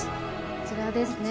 こちらですね。